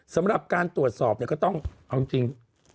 สำหรับการตรวจสอบเนี่ยก็ต้องเอาจริง